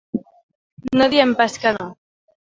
No diem pas que no.